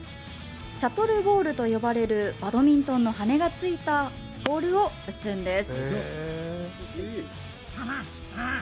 シャトルボールと呼ばれるバドミントンの羽がついたボールを打つんです。